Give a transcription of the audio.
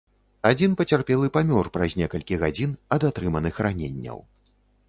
Адзін пацярпелы памёр праз некалькі гадзін ад атрыманых раненняў.